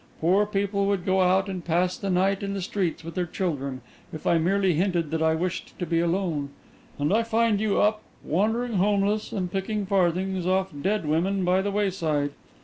Poor people would go out and pass the night in the streets with their children, if I merely hinted that I wished to be alone. And I find you up, wandering homeless, and picking farthings off dead women by the wayside!